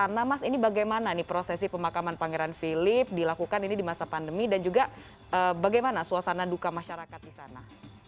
nah mas ini bagaimana nih prosesi pemakaman pangeran philip dilakukan ini di masa pandemi dan juga bagaimana suasana duka masyarakat di sana